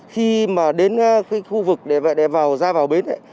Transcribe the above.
khi mà đến cái khu vực để vào ra vào bến ấy